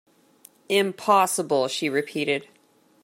"Impossible," she repeated.